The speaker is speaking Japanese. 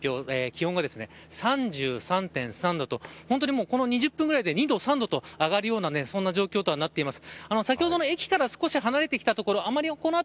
気温が３３．３度とこの２０分ぐらいで２度、３度と上がるような状況となっています。